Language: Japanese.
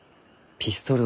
ピストル？